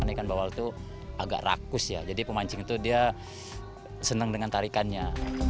ikan bawal itu agak rakus ya jadi pemancing itu dia senang dengan tarikannya